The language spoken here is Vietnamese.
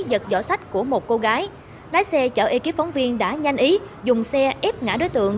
giật giỏ sách của một cô gái lái xe chở ekip phóng viên đã nhanh ý dùng xe ép ngã đối tượng